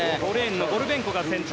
ゴルベンコが先頭。